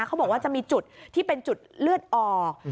เขาบอกว่าจะมีจุดที่เป็นจุดเลือดออก